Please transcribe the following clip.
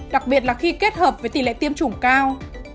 đặc biệt là khi kết hợp với tỷ lệ tiêm chủng cao